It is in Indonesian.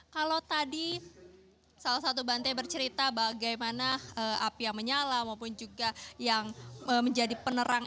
kalau tadi salah satu bantai bercerita bagaimana api yang menyala maupun juga yang menjadi penerang